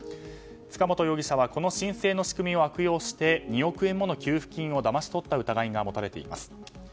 塚本容疑者はこの申請の仕組みを悪用して２億円もの給付金をだまし取った疑いが持たれています。